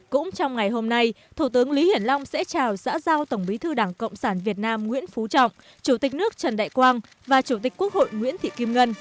cũng trong ngày hôm nay thủ tướng lý hiển long sẽ chào xã giao tổng bí thư đảng cộng sản việt nam nguyễn phú trọng chủ tịch nước trần đại quang và chủ tịch quốc hội nguyễn thị kim ngân